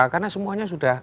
karena semuanya sudah